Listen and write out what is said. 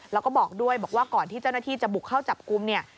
แล้วก็บอกด้วยบอกว่าก่อนที่เจ้าหน้าที่จะบุกเข้าจับกลุ่มเนี่ย